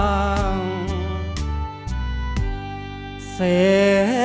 เพลงพร้อมร้องได้ให้ล้าน